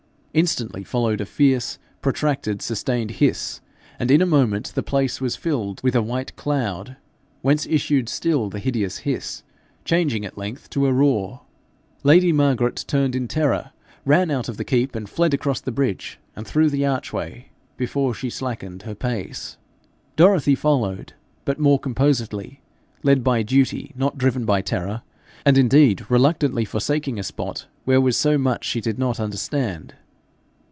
Instantly followed a fierce, protracted, sustained hiss, and in a moment the place was filled with a white cloud, whence issued still the hideous hiss, changing at length to a roar. Lady Margaret turned in terror, ran out of the keep, and fled across the bridge and through the archway before she slackened her pace. Dorothy followed, but more composedly, led by duty, not driven by terror, and indeed reluctantly forsaking a spot where was so much she did not understand.